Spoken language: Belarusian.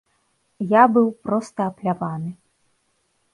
Я быў проста апляваны.